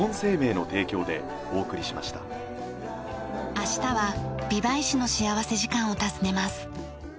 明日は美唄市の幸福時間を訪ねます。